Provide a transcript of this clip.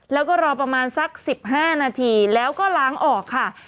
แล้วก็รอประมาณสัก๑๕นาทีแล้วก็ล้างออกค่ะ